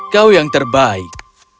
kau yang terbaik